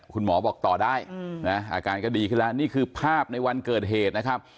คุณหมอบอกต่อได้นะอาการก็ดีขึ้นแล้วนี่คือภาพในวันเกิดเหตุนะครับ